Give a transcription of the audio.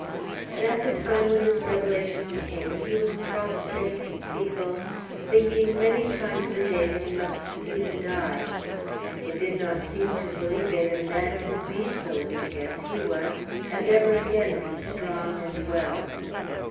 But at the time when this revelation came, he was prostrate, feeble, thinking many times a day that he must soon die; it did not seem to Felipe that a man could be so weak as he was, and ever again be strong and well.